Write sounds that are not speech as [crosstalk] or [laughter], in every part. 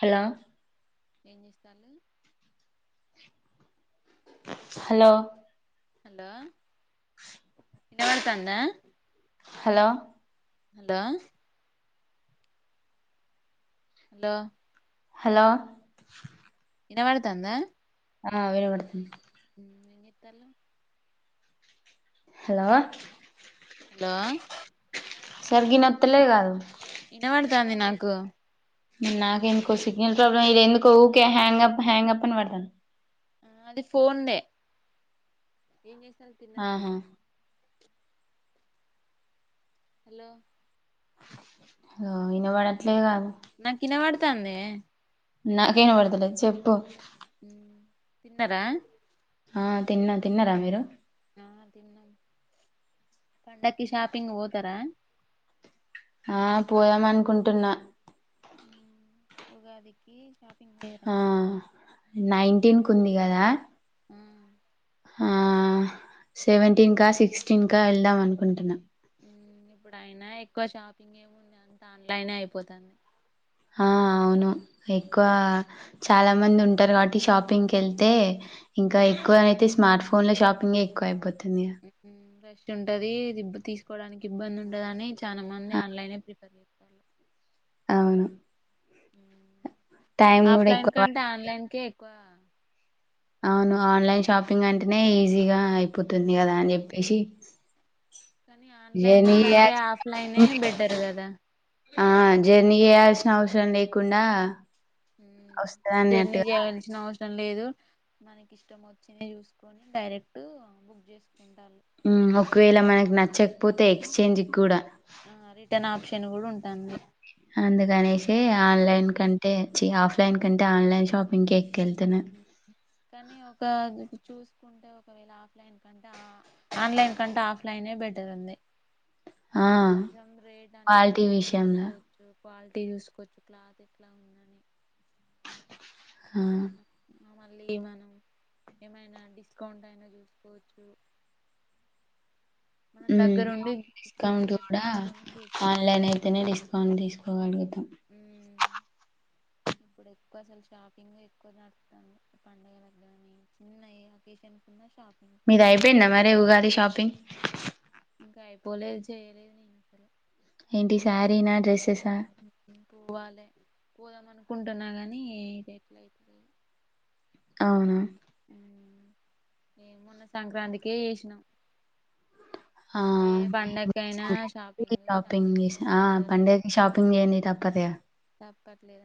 Hello ఎం చేస్తస్తాల hello hello ఇన్నపడతాద హలో హలో హలో హలో వినపడతంద ఆ వినపడతండి ఏం చెట్టాలు హలో హలో సరిగ్గా వినపడల తంది నాకు నాక ఎందుకో సిగ్నల్ ప్రాబ్లమ్ ఇ ఎందుకో ఊకే హ్యాంగ్ అప్ హ్యాంగ్ అప్ అని పడతాది ఆ అది ఫోన్ దే ఏం చేసరూ తిన్నార ఆహా అండి హలో హలో వినపడట్లేదా తంది నాకేను పడుదులే చెప్పు తిన్నారా ఆ తిన్న తిన్నారా మీరు తన్న పండకి షాపింగ్ పోతార ఆ పోదాం అనుకుంటున్నా ఉగాదికి షాపింగ్ చేయరా ఆ నైన్టీన్ కు ఉంది కదా ఉమ్ ఆ సెవెంటీన్కా సిక్స్టీన్కా వెళ్దాం అనుకుంటున్నాం ఉమ్ ఇప్పుడయినా ఎక్కువ షాపింగ్ ఏముంది అంత ఆన్లైనే అయిపోతాంది హా అవును ఎక్కువ చాలా మంది ఉంటారు కాబట్టి షాపింగ్కి వెళ్తే ఇంకా ఉ ఉ ఎక్కువయితే స్మార్ట్ ఫో ఫోన్ లో షాపింగే ఎక్కువ అయిపో ఉమ్ ఉ రష్ ష్ ఉంటది తీసుకోవడానికి ఇబ్బంది ఉంటదని చాలా మంది ఆన్లైన్ ప్రిపేర్ చేస్తారు అవును టైం కూడా ఆఫ్లైన్ ఎక్కువ ప కంటే ఆన్లైన్కే ఎక్కువ అవును ఇస్తారు ఆన్లైన్ షాపింగ్ అంటేనే ఈజీగా అయిపోతుంది కదా అని ఉమ్. చెప్పేసి కానీ ఆన్లైన్ జర్నీ కంటే చేయాల్సిన ఆఫ్ లైనే బెటర్ కదా ఆ జర్నీ చేయాల్సిన అవసరం లేకుండా ఉమ్ వస్తది జర్న్ని అన్నట్టుగా చేయాల్సిన అవ టం లేదు మనకి ఇష్టం వచ్చింది చూసుకొని డైరెక్ట్ బుక్ చేస్ ఒకవేళ మనకి నచ్చకపోతే ఎక్స్చేంజ్ కూడా తంది అందుకనేసి ఆన్లైన్ కంటే చి ఆఫ్లైన్ కంటే ఆన్లైన్ షాపింగ్కే కెళ్తున్నాం ఉమ్. కానీ ఒక చూసుకుంటే ఒకవేళ ఆఫ్లైన్ కంటే ఆన్లైన్ కంటే ఆఫ్లైనే బెటర్ ఉంది ఆ కొంచెం రేట్ అనేది క్వాలిటీ మనం విషయంలో చూసుకోచ్చు క్వాలిటీ చూసుకోచ్చు క్లాత్ ఎట్లా ఉందని హా ఆ మళ్ళీ మనం ఏమైనా డిస్కౌంట్ అయినా చూసుకోచ్చు ఉమ్ డిస్కౌంట్ సెలెక్ట్ కూడా చేసుకొని చూసుకోవచ్చు ఆన్లైన్ అయితేనే డిస్కౌంట్ తీసుకోగలుగుతా ఉమ్ ఇప్పుడు ఎక్కువ అసలు షాపింగ్ ఎక్కువ నడుస్తుంది పండగ లకు గాని చిన్న ఏ అకేషన్ ఉన్నా షా మీది అయిపోయింద మరి ఉగాది షాపింగ్ ఇంగ అయిపోలే చెయలే ఏంటి సారీనా డ్రెస్సెస్ పోవాలే పోదాం అనుకుంటున్నా కానీ ఇది ఎట్లా అయితుంది అవునా ఉమ్ ఏ మొన్న సంక్రాంతికే చేసినా ఆ ఏ మేము కూడా పండగకైనా షాపి సంక్రాంతికి షాపింగ్ చేస్ ఆ పండ కి షాపింగ్ చేయంది తప్పదుగా తప్పట్లేద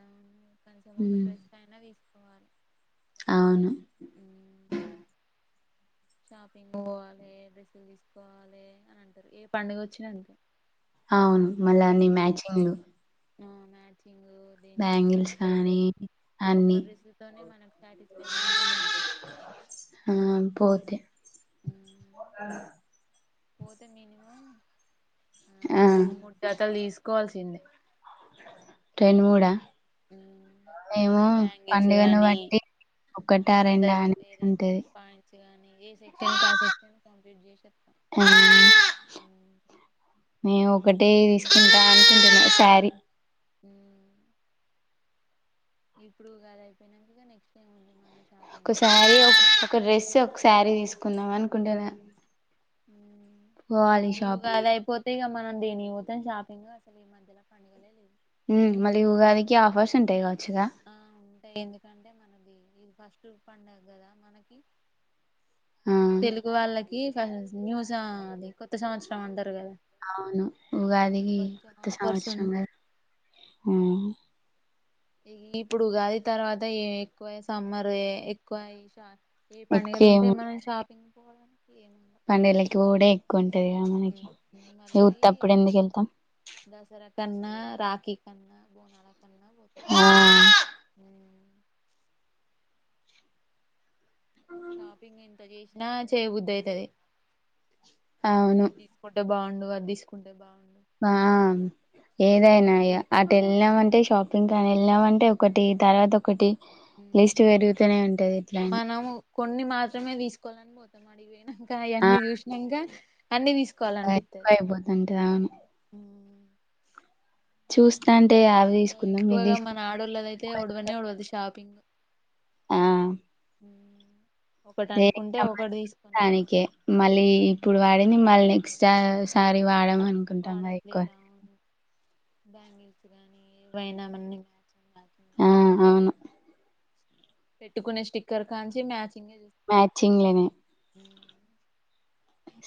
కొంచెం ఒక మ్మ్ డ్రెస్ అయినా తీసుకోవాలే అవును షాపింగ్ పోవాలే డ్రెస్సులు తీసుకోవాలి అని అంటారు ఏ పండుగ వచ్చినా అంతే ఆవును మళ్ళా అన్ని మ్యాచింగ్లు ఆ మ్యాచింగు దీనికి ఏది బ్యాంగిల్స్ సెట్ కానీ అయితది ఒక్క అన్ని డ్రెస్ తోనే మనకు సాటిస్ఫాక్షన్ ఉండది ఆ పోతే పోతే మినిమం ఆ రెండు మూడు జతలు తీస్ కోల్సిందే రెండు మూడ ఉమ్ ఏమో పండుగను బట్టి ఒకటా ఇకాద రెండా అని వేరే ఉంటది పాంచ్ కాని ఏ సెక్షన్ సెక్షన్ కంప్లీట్ చేస ఆ మేము ఒకటే తీసుకుంటా అనుకుంటున్నా శారీ హ ఇప్పుడు గాలి అయిపోయింతగా నెక్స్ట్ టైమ్ ఉంది మన ఒక శారీ ఒక ఒక డ్రెస్ ఒక శారీ తీసుకుందాం అనుకుంటాను ఇగా అద అయిపోతేా క మ దేనికి షాపింగ్ అసలు ఈ మధ్యన పండగలే లేవు మళ్ళీ ఉగాదికి ఆఫర్స్ ఉంటాయి కావచ్చుగా ఆ ఉంటాయి ఎందుకంటే మనది ఇది ఫస్ట్ పడుగగ కదా మనకి ఆ తెలుగు వాళ్ళకి న్యూస్ అది కొత్త సంవత్సరం అంటారు కదా అవును ఉగాదికి కొంచెం కొత్త ఆఫర్స్ సంవత్సరం ఉంటాయి గ ఇప్పుడు ఉగాది తర్వాత ఎక్కువ సమ్మర్ ఎక్కువ ఏ ఎక్కువ పండుగలు ఉంటే మనం షాపింగ్ పోవడానికి ఏం పండేలకి ఊడ ఎక్కుంట మళ్ళీ ఎందుకు వెళ్తాం దసరా కన్నా రాఖీ కన్నా బనాల కన్నా పోత ఆ షాపింగ్ ఎంత చేసినా చేయబద్దు అవుతుది అవును ఇది తీసుకుంటే బాగుండు అది తీసుకుంటే బాగుండు ఆ ఏదైనా ఎన్ని అటు వెళ్ళామంటే షాపింగ్ కాని వెళ్ళామంటే ఒకటి తర్వాత ఒకటి లిస్ట్ పెరుగుతూనే ఉంటది ఎట్లయినా మనము కొన్ని మాత్రమే తీసుకోవాలని పోతు పోనాక అవన్నీ చూసినాక అన్ని తీసు ఎక్కు అయిపోతుంటే అవును చూస్తాంటే మనది అవి ఇంకా తీసుకుందాం ఇది ఎక్కువగా మన ఆడళ్ళద అయితే ఉడవనే తీసుకుందాం ఉడవదు షాపింగ్ ఆ ఒకటి దే అనుకుంటే ఒకటి తీసుకొని వస్తాం మడాానికిే మళ్ళీ ఇప్పుడు వాడింది మిమ్మల్ని నెక్స్ట్ సారి వాడమ అనుకుంటాం కదా ఎక్కువ వాడట్లేరా బ్యాంగిల్స్ గాని ఏవైనావన్న మ ఆ అవును పెట్టుకునే స్టిక్కర్ కాంచి మ్యాచ్ మ్యాచ్ింగ్నే అ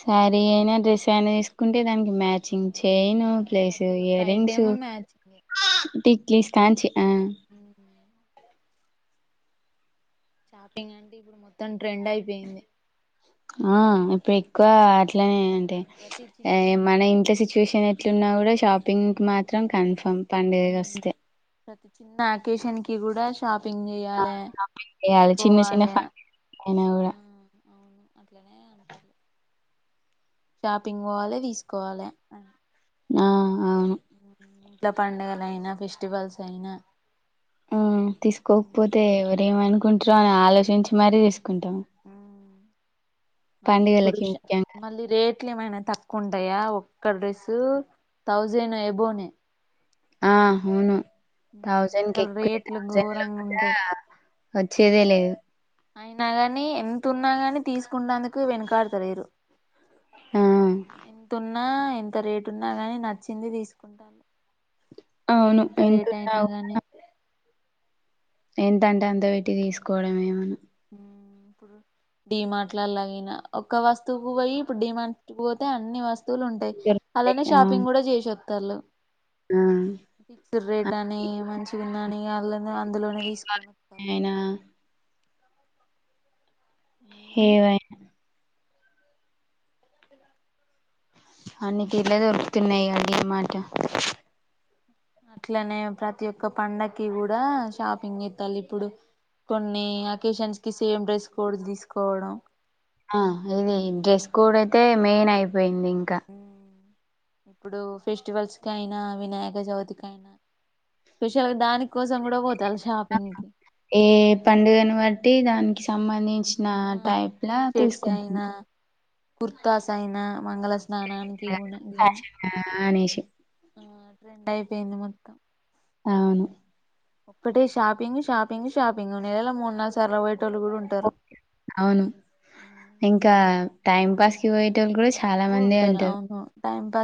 శారీ అయినా డ్రెస్ అయినా తీసుకుంటే దానికి మ్యాచింగ్ చైను ఆ, ప్లేస్ ప్రతి ఒక్క ఇయర్ రింగ్స్ ఐటెము మ్యాచింగే క్లీస్ కాంచి ఆ షాపింగ్ అంటే ఇప్పుడు మొత్తం ట్రెండ్ అయిపోయింది ఆ ఇప్పుడు ఎక్కువ అ అట్లానే అంటే ప్రతి చిన్న మన విషయాన్ని ఇంట్లో సిచ్యువేషన్ ఎట్లున్నా కూడా షాపింగ్ మాత్రం అవును కన్ఫామ్ పండుగకి ఉమ్, వస్తే ప్రతి చిన్న ఆకేషన్ కి కూడా షాప్ పింగ్ ఆ చేయాలి షాపింగ్ చేయాలి చిన్న చిన్న తీసుకోవాలి ఫంక్షన్ అయినా కూడా అట్లనే అంటారు షాపింగ్ పోవాలి తీసుకోవాలి ఆ అవును ఇంట్లా పడుగల అయినా ఫెస్టివల్స్ అయినా ఆ తీసుకోకపోతే ఎవరేమనుకుంటారో అని ఆలోచించి మరీ తీసుకో కుంటాము పండుగలకి ముఖ్యంగా ఎట్లు ఏమైనా తక్కువ ఉంటాయా ఒక్క డ్రెస్ థౌజండ్ అయబోనే ఆ అవును థౌజండ్ క అసలు ఎక్కువే రేట్లు థౌజండ్ లో ఘోరంగా కూడా ఉంటాయి వచ్చేదే లేదు అయినా ని ఎంంత ఉన్నాగాని తీసుకున్నందుకు వెనుకాడుతలేరు ఆ ఎంతున్నా ఎంత రేటు ఉన్నా కాని నచ్చింది తీసుకుంటాను అవును ఎంతున్నా గాని కూడా ఎంటంటే అంత పెట్టి తీసుకోవడం ఎమని ఉ ఇప్పుడు డి మార్ట్లా లాగైనా ఒక్క వస్తువుకు పోయి ఇప్పుడు డి మార్ట్ కి పోతే అన్ని వస్తు వస్తువులు ఉంటాయి. అలానే ఆ షాపింగ్ కూడా చేసొత్తాల్లు. ఫిక్స్డ్ ఆ రేట్ అని మంచిగుందని వాళ్ళ అందులోనే తీసుకొని ఒత్తాళ్లు అయినా హేదైనా అన్నీ కిడ్లే దొరుకుతున్నాయిగా డిమార్ట్ అట్లనే ప్రతి ఒక్క పండక్కి కూడా షాపింగ్ చెత్తాల్లి ఇప్పుడు కొన్ని అకేషన్స్ కి సేమ్ డ్రెస్ కోడ్ తీసుకోవడం ఆ ఇది డ్రెస్ కూడా అయితే మెయిన్ అయిపోయింది ఇంకా ఇప్పుడు ఫెస్టివల్స్ కైనా వినాయక చవితికి అయినా స్పెషల్గా దాని కోసం కూడా పో ఏ పండుగను బట్టి దానికి సంబంధిం చిన ఆ టైప్లా తీసుకుంటున్నా కుర్తాస అయిన మంగళ స్నానానికి గుణ గిణ ఫ్యాషన్ అనేసి ఆ ట్రెండ్ అయిపోయింది మొత్తం అవును ఒక్కటే షాపింగ్ షాపింగ్ షాపింగ్ నెలలా మూడు నాలు సార్లు పోయి అవును ఇంకా టైం పాస్కి పోయి టోలు కూడా చాలా మందే ఉంటారు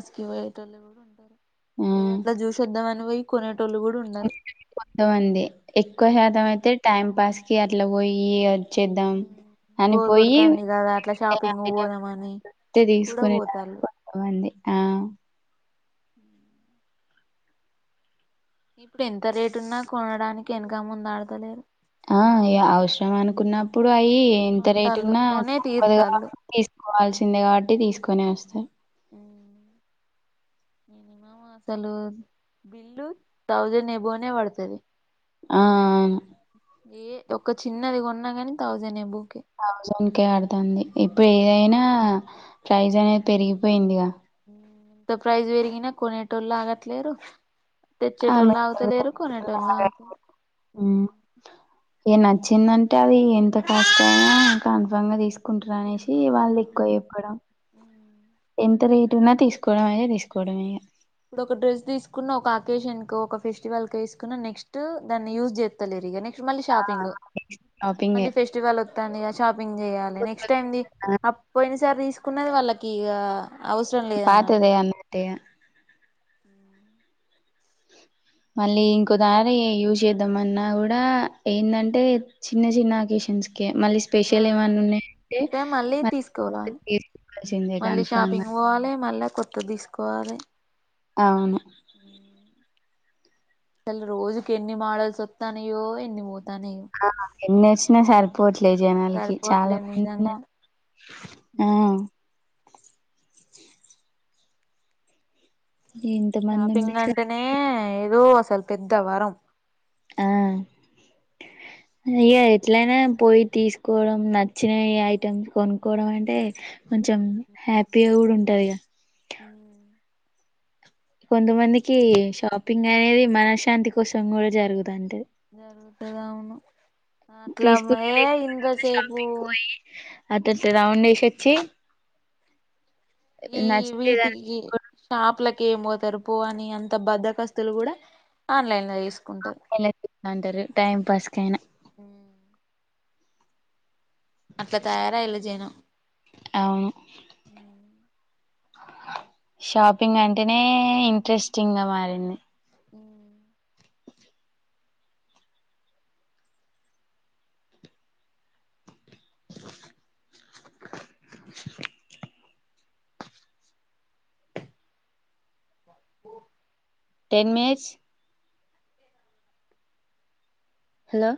పొయేటోళ్ళు కూడా ఉంటారు ఆ ఏది అట్లా జూసి వద్దాం అని పోయి కొనే కొంతమంది ఎక్కువ శాతం అయితే టైం పాస్ కి అట్లా పోయ్యి చేద్దాం అని బోర్ పోయ్యి కొడుతాంది కదా అట్లా షాపింగ్ పోదామని కూడా తీసుకుని పోతాళ్ళు కొంతమంది ఆ ఇప్పుడు ఎంత రేటు ఉన్నా కొనడానికి ఎనక ముంద ఆడతలేరు ఆ ఇగ అవసరం అనుకున్న ఇప్పుడు అయ్యి ఎంత రేట్ కొంటాళ్ళు ఉన్నా కొనే తప్పది కదా తీరుతాళ్ళు తీసుకోవాల్సిందే కాబట్టి తీసుకు కొనేస్తారు ఉమ్ మినిమం అసలు బిల్లు థౌజండ్ ఎబౌవ్నే పడతది ఆ అవును ఏ ఒక చిన్నది కొన్నా కాని థౌసండ్ ఏబౌవ్ థౌజండ్ కేే ఆడతంది ఇప్పుడు ఏదైనా ప్రైజ్ అనేది పెరిగిపోయిందిగా ఎంత ప్రైజ్ పెరిగిన కొనేటోళ్ళు ఆగట్లేరు ఆమె తెచ్చేటోళ్ళు ఆగుతలేరు కొనేటోళ్ళ ఆగుతలే హ్మ్ ఇగ నచ్చిందంటే అది ఎంత కాస్ట్ అయినా కన్ఫామ్ గా తీసుకు తీసుకుంటున్నా అనేసి వాళ్ళు తీసుకుంటారా ఎక్కువ చెప్పడం ఎంత రేట్ ఉన్నా తీసుకోవడం అ ఇప్పుడు ఒక డ్రెస్ తీసుకున్నా ఒక అకేషన్ ఒక ఫెస్టివల్ కి వేసుకున్నా నెక్స్ట్ దాన్ని యూజ్ జేత్తలేరు ఇగ నెక్స్ మళ్ళీ ఆ షాపింగ్ షాపింగే మళ్ళీ ఫెస్టివల్ వత్తాందిగ షాపింగ్ చేయాలి నెక్స్ట్ కొత్తది టైమ్ది ఆ! అప్ పొయిన సారి తీసుకున్నది వాళ్ళకి ఇగ అవసరం లేద అన్నట్ పాతదే అన్నట్టు ఇగ. మళ్ళీ ఇంకో దారి యూజ్ చేద్దాంమన్నా కూడా ఏందంటే చిన్న చిన్న అకేషన్స్ కి ఓ మళ్ళీ ఆ స్పెషల్ ఏమన్నా ఉన్నాయంటే అంటే మళ్ళీ మళ్ తీసుకోవాల తీసుకోల్సిందే కన్ఫామ్ గా కోవాలి మళ్ళా కొత్తది తీసుకోవాలె అవును అసలు రోజుకి ఎన్ని మోడల్స్ వస్తానయో ఎన్ని పోతానయో ఆ ఎన్ని వచ్చినా సరిపోవట్లేదు పోట్లేదు జనాలకి చాలా సరిపోవట్లేదు మంది నిజంగా ఆ ఎంత మంది షాపింగ్ ఉండేసరికి అంటేనే ఏదో అసలు పెద్ద వరం అ అయ్యా ఎట్లయినా పోయి తీసుకోవడం నచ్చిన ఐటమ్స్ కొనుక్కోవడం అంటే కొంచెం హ్యాపీగా కూడా ఉంటది గా హ [inaudible] కొంతమందికి షాపింగ్ అనేది మనశ్శాంతి కోసం కూడా జరుగుతాంటది జరుగుతది అవును అట్లా తీసుకుని యే ఇంతసేపు అట అట రౌండ్ వేసొచ్చి ఈ వీటికి దాని షాప్ లకి ఏమి పోతారు పో అని అంత బద్దకస్తులు కూడా ఆన్లైన్ లో తీసు [unintelligible] ఎలా చెస్తాంటారు టైం పాస్ కైనా అట్లా తయారయిరు జనం అవును హ షాపింగ్ అంటేనే ఇంట్రెస్టింగ్ గా మారింది ఉ [inaudible] ఓ ten minutes hello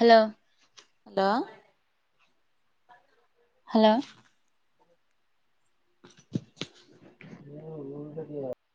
hello hello hello ఏ ఉకరి [unintelligible]